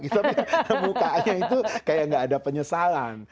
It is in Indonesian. tapi mukanya itu kayak gak ada penyesalan